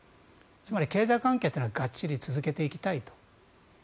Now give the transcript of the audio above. つまり経済関係というのはがっちり続けていきたいと。